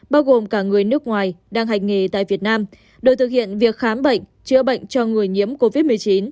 bao gồm cả người nước ngoài đang hành nghề tại việt nam đều thực hiện việc khám bệnh chữa bệnh cho người nhiễm covid một mươi chín